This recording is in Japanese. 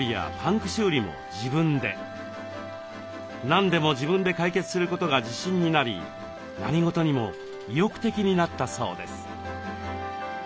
何でも自分で解決することが自信になり何事にも意欲的になったそうです。